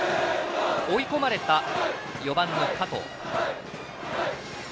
追い込まれた４番の加藤。